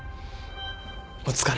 お疲れ。